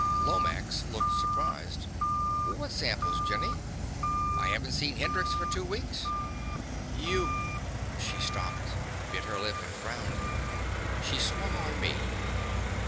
Lomax looked surprised. "What samples, Jenny? I haven't seen Hendrix for two weeks." "You " She stopped, bit her lip, and frowned. She swung on me.